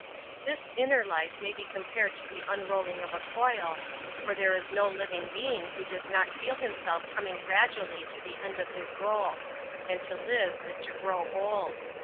f This inner life may be compared to the /^ unrolling of a coil, for there is no living 12 An Introduction to being who does not feeT Limself gradually to the end of his rdle; and to live is to grow old.